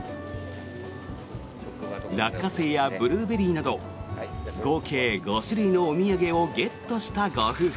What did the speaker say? ラッカセイやブルーベリーなど合計５種類のお土産をゲットしたご夫婦。